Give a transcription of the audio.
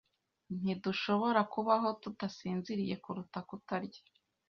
Ntidushobora kubaho tudasinziriye kuruta kutarya.